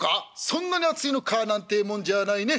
「そんなに熱いのかなんてえもんじゃないね。